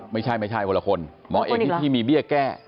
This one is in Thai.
ไม่ใช่แต่กลางคนหมอเอกที่มีเบี้ยแก้